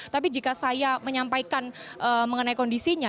tapi jika saya menyampaikan mengenai kondisinya